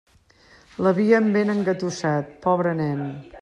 L'havien ben engatussat, pobre nen.